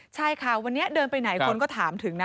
ใช่ค่ะวันนี้เดินไปไหนคนก็ถามถึงนะ